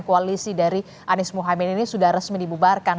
koalisi dari anies muhaymin ini sudah resmi dibubarkan